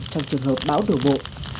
trong trường hợp bão đổ bộ